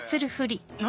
何？